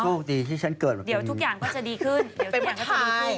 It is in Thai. โชคดีที่ฉันเกิดเหมือนกันอย่างนี้เดี๋ยวทุกอย่างก็จะดีขึ้น